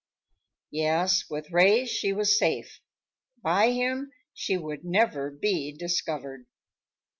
Yes, with Ray she was safe; by him she would never be discovered!